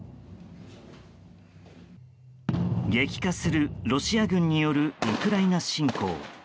激化するロシア軍によるウクライナ侵攻。